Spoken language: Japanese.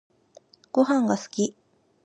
ごはんが好き